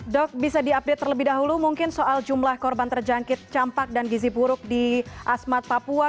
dok bisa diupdate terlebih dahulu mungkin soal jumlah korban terjangkit campak dan gizi buruk di asmat papua